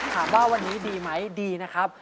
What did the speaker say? ถามว่าวันนี้ดีไหมดีนะครับ